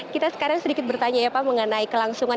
kita sekarang sedikit bertanya ya pak mengenai kelangsungan